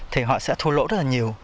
thì họ sẽ thua lỗ rất là nhiều